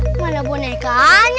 wah mana bonekanya